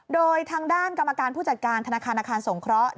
โดยทางด้านกรรมการผู้จัดการธนาคารอาคารสงเคราะห์